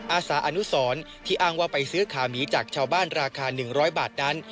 อาสาอนุสรที่อ้างว่าไปซื้อขาหมีจากชาวบ้านราคา๑๐๐บาทนั้น